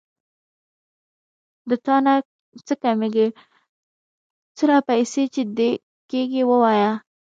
د تانه څه کمېږي څونه پيسې چې دې کېږي ووايه.